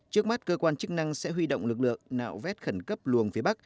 trước mắt cơ quan chức năng sẽ huy động lực lượng nạo vét khẩn cấp luồng phía bắc